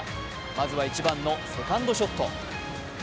まずは１番のセカンドショット。